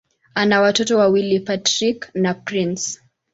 Ana watoto wawili: Patrick na Prince.